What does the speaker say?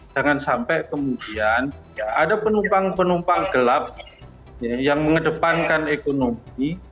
jangan sampai kemudian ada penumpang penumpang gelap yang mengedepankan ekonomi